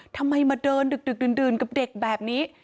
ทำไมมาเดินดึกดื่นกับเด็กแบบนี้